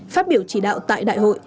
phát biểu chỉ đạo tại đại hội